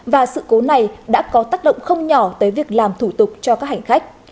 và sự cố này đã có tác động không nhỏ tới việc làm thủ tục cho các hành khách